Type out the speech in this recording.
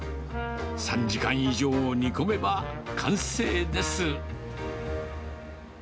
３時間以上煮込めば完成です。